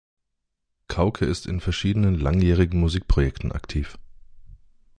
Kauke ist in verschiedenen langjährigen Musikprojekten aktiv.